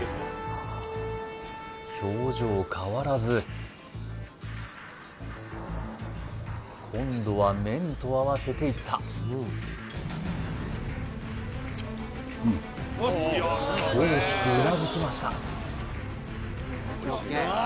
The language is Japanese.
表情変わらず今度は麺と合わせていった大きくうなずきました